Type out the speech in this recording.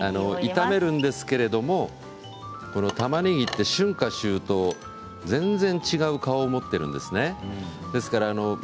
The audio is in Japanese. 炒めるんですけどたまねぎって春夏秋冬全然違う顔を持っているんですね。